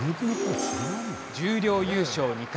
十両優勝２回。